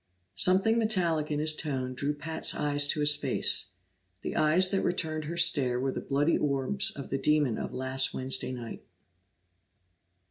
Something metallic in his tone drew Pat's eyes to his face. The eyes that returned her stare were the bloody orbs of the demon of last Wednesday night!